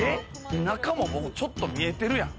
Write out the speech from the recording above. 中もちょっと見えてるやん。